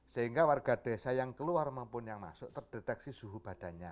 sehingga warga desa yang keluar maupun yang masuk terdeteksi suhu badannya